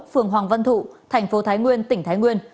phường hoàng văn thụ tỉnh thái nguyên